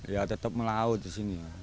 ya tetap melaut di sini